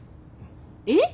えっ！？